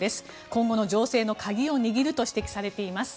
今後の情勢の鍵を握ると指摘されています。